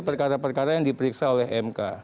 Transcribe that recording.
perkara perkara yang diperiksa oleh mk